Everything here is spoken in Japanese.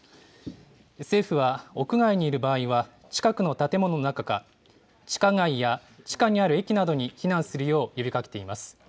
政府は屋外にいる場合は、近くの建物の中か、地下街や地下にある駅などに避難するよう呼びかけています。